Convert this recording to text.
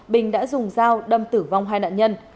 bình đã dùng dao đâm tử vong hai nạn nhân